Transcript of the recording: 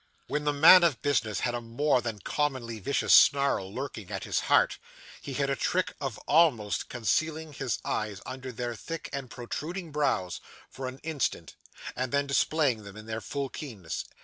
When the man of business had a more than commonly vicious snarl lurking at his heart, he had a trick of almost concealing his eyes under their thick and protruding brows, for an instant, and then displaying them in their full keenness.